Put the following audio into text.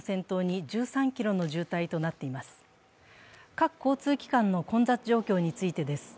各交通機関の混雑状況についてです。